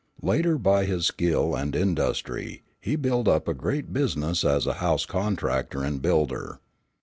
Later by his skill and industry he built up a great business as a house contractor and builder.